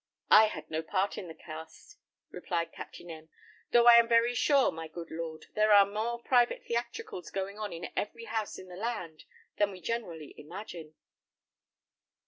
"I had no part in the cast," replied Captain M , "though I am very sure, my good lord, there are more private theatricals going on in every house in the land than we generally imagine."